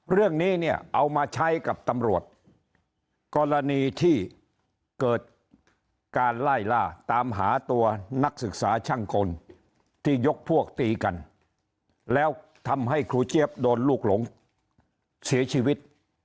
เรื่องนี้เนี่ยเอามาใช้กับตำรวจกรณีที่เกิดการไล่ล่าตามหาตัวนักศึกษาช่างกลที่ยกพวกตีกันแล้วทำให้ครูเจี๊ยบโดนลูกหลงเสียชีวิต